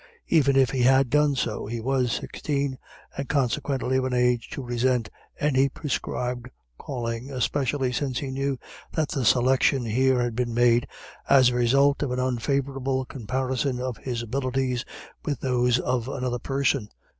Even if he had done so, he was sixteen, and consequently of an age to resent any prescribed calling, especially since he knew that the selection here had been made as the result of an unfavourable comparison of his abilities with those of another person.